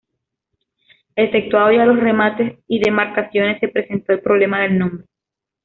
Efectuados ya los remates y demarcaciones, se presentó el problema del nombre.